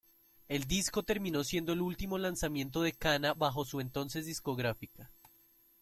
El disco terminó siendo el último lanzamiento de Kana bajo su entonces discográfica.